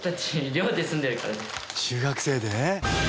中学生で？